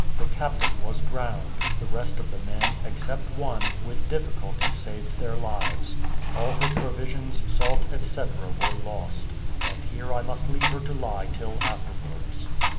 The captain was drowned; the rest of the men, except one, with difficulty saved their lives; all her provisions, salt, etc., were lost. And here I must leave her to lie till afterwards.